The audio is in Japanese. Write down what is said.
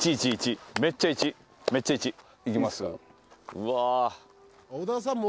うわ！